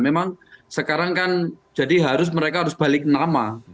memang sekarang kan jadi harus mereka harus balik nama